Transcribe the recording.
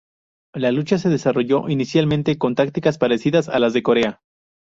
La lucha se desarrolló inicialmente con tácticas parecidas a las de Corea.